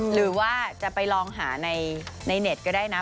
หรือว่าจะไปลองหาในเน็ตก็ได้นะ